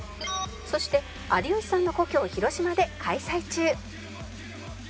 そして有吉さんの故郷広島で開催中